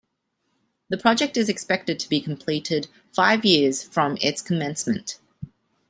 The project is expected to be completed five years from its commencement.